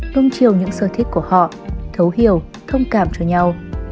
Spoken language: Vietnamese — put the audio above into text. nâng chiều những sở thích của họ thấu hiểu thông cảm cho nhau